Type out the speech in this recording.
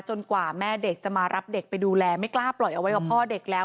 กว่าแม่เด็กจะมารับเด็กไปดูแลไม่กล้าปล่อยเอาไว้กับพ่อเด็กแล้ว